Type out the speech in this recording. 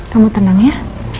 kamu tenang ya